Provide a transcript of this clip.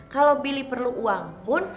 kalau billy perlu uang pun